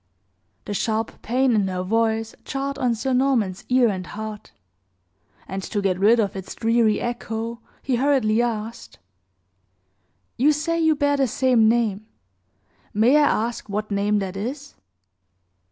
The sharp pain in her voice jarred on Sir Norman's ear and heart; and, to get rid of its dreary echo, he hurriedly asked: "You say you bear the same name. May I ask what name that is?"